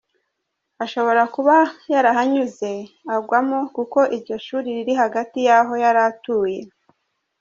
Ashobora kuba yahanyuze agwamo kuko iryo shuri riri hafi y’aho yari atuye”.